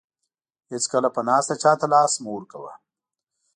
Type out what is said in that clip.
هیڅکله په ناسته چاته لاس مه ورکوه.